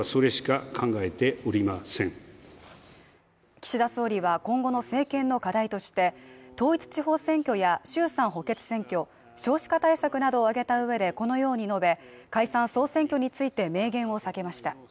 岸田総理は今後の政権の課題として統一地方選挙や衆参補欠選挙少子化対策などを挙げた上でこのように述べ、解散総選挙について明言を避けました。